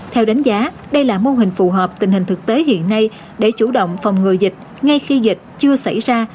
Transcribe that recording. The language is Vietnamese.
theo đánh giá đây là mô hình phù hợp tình hình thực tế hiện nay để chủ động phòng ngừa dịch ngay khi dịch chưa xảy ra